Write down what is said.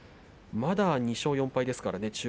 まだ２勝４敗ですからね。